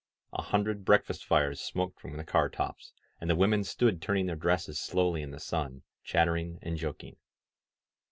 A hundred breakfast fires smoked from the car tops, and the women stood turning their dresses slowly in the sun, chattering and joking.